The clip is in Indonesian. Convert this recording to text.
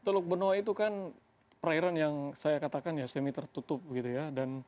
teluk benoa itu kan perairan yang saya katakan ya semi tertutup gitu ya